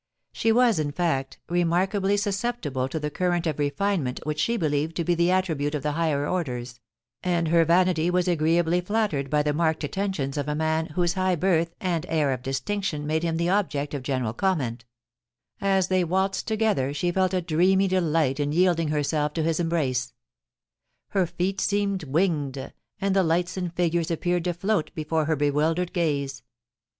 She was, in fact, remarkably susceptible to the current of refinement which she believed to be the attribute of the higher orders, and her vanity was agreeably flattered by the marked attentions of a man whose high birth and air of distinction made him the object of general comment As they waltzed together she felt a dreamy delight in yielding herself to his embrace. Her feet seemed winged, and the lights and figures appeared to float before her bewildered gaze.